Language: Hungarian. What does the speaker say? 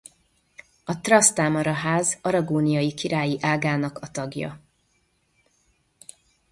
A Trastámara-ház aragóniai királyi ágának a tagja.